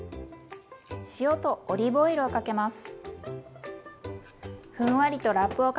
塩とオリーブオイルをかけます。